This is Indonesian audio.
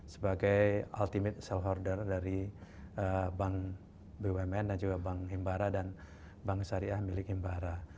sebagai ultimate sell order dari bank bumn dan juga bank himbara dan bank syariah milik himbara